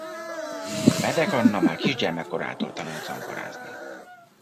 Medek Anna már kisgyermek korától tanult zongorázni.